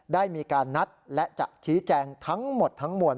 ได้มีการนัดและจะชี้แจงทั้งหมดทั้งมวล